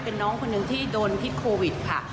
เป็นน้องคนหนึ่งที่โดนพิษโควิดค่ะ